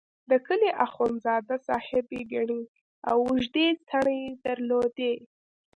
د کلي اخندزاده صاحب ګڼې او اوږدې څڼې درلودې.